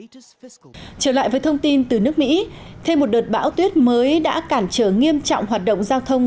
trở lại với thông tin từ nước mỹ thêm một đợt bão tuyết mới đã cản trở nghiêm trọng hoạt động giao thông